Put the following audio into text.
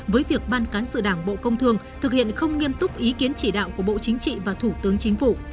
với việc ban cán sự đảng bộ công thương thực hiện không nghiêm túc ý kiến chỉ đạo của bộ chính trị và thủ tướng chính phủ